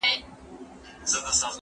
که وخت وي، چپنه پاکوم؟!